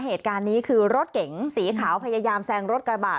เหตุการณ์นี้คือรถเก๋งสีขาวพยายามแซงรถกระบะ